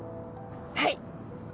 はい！